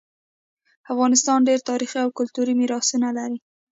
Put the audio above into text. افغانستان ډیر تاریخي او کلتوری میراثونه لري